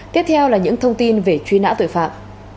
tiếp theo là những thông tin về truy nã tội phạm